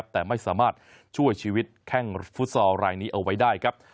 แต่ไม่สามารถช่วยชีวิตแข้งฟุตซอลรายนี้เอาไว้ได้ครับ